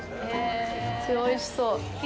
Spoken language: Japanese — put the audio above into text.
おいしそう。